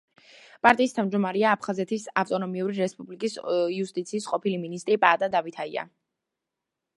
პარტიის თავმჯდომარეა აფხაზეთის ავტონომიური რესპუბლიკის იუსტიციის ყოფილი მინისტრი პაატა დავითაია.